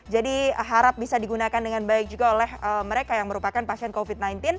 jadi harap bisa digunakan dengan baik juga oleh mereka yang merupakan pasien covid sembilan belas